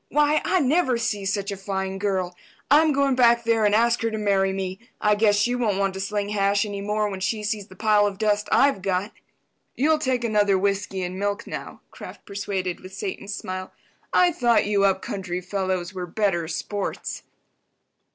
Why, I never see such a fine girl. I'm going back there and ask her to marry me. I guess she won't want to sling hash any more when she sees the pile of dust I've got." "You'll take another whiskey and milk now," Kraft persuaded, with Satan's smile. "I thought you up country fellows were better sports."